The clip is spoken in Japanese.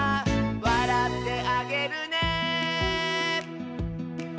「わらってあげるね」